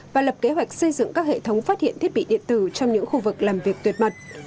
và lập kế hoạch xây dựng các hệ thống phát hiện thiết bị điện tử trong những khu vực làm việc tuyệt mật